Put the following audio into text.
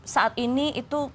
saat ini itu